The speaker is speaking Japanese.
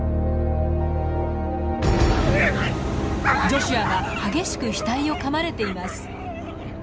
ジョシュアが激しく額をかまれています。